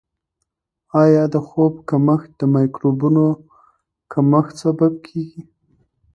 آیا د خوب کمښت د مایکروبونو کمښت سبب کیږي؟